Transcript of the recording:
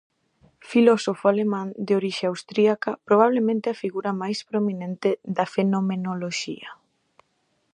Filósofo alemán de orixe austríaca, probabelmente a figura máis prominente da fenomenoloxía.